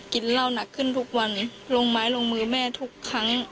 กินเหล้าหนักขึ้นทุกวันลงไม้ลงมือแม่ทุกครั้ง